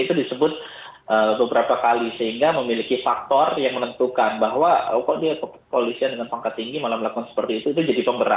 itu disebut beberapa kali sehingga memiliki faktor yang menentukan bahwa oh kok dia kepolisian dengan pangkat tinggi malah melakukan seperti itu itu jadi pemberat